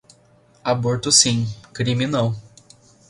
Aborto sim, crime não